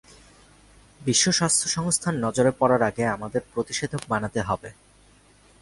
বিশ্ব স্বাস্থ্য সংস্থার নজরে পড়ার আগে আমাদের প্রতিষেধক বানাতে হবে।